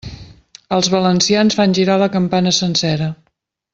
Els valencians fan girar la campana sencera.